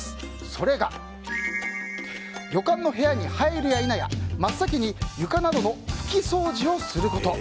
それが旅館の部屋に入るや否や真っ先に床などの拭き掃除をすること。